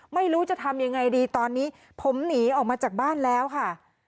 ไม่รู้จะทำยังไงดีตอนนี้ผมหนีออกมาจากบ้านแล้วค่ะ